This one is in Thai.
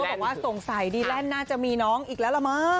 บอกว่าสงสัยดีแลนด์น่าจะมีน้องอีกแล้วล่ะมั้ง